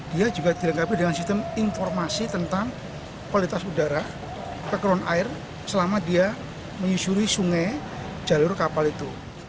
dia juga dilengkapi dengan sistem informasi tentang kualitas udara kekuruan air selama dia menyusuri sungai jalur kapal itu